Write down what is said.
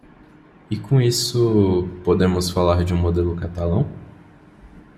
E com isso, podemos falar de um modelo catalão?